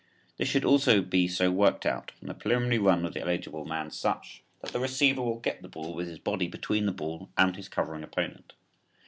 This should also be so worked out and the preliminary run of the eligible man such, that the receiver will get the ball with his body between the ball and his covering opponent.